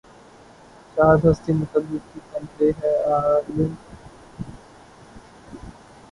شاہدِ ہستیِ مطلق کی کمر ہے‘ عالم